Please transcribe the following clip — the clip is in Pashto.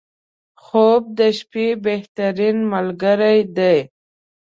• خوب د شپې بهترینه ملګری دی.